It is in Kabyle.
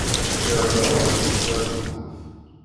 Iṛẓa uɛeẓẓi tazemmurt.